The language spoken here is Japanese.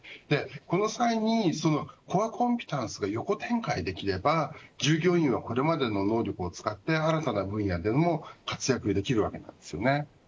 この際に、コアコンピタンスが横展開できれば従業員をこれまでの能力を使って新たな分野での活躍もできます。